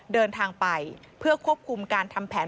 เดินทางไปเพื่อควบคุมการทำแผน